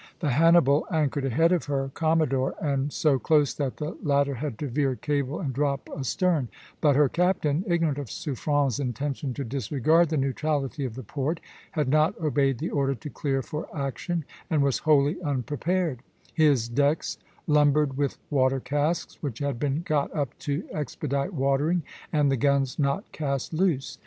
The "Hannibal" anchored ahead of her commodore (b), and so close that the latter had to veer cable and drop astern (a); but her captain, ignorant of Suffren's intention to disregard the neutrality of the port, had not obeyed the order to clear for action, and was wholly unprepared, his decks lumbered with water casks which had been got up to expedite watering, and the guns not cast loose.